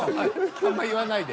あんま言わないで。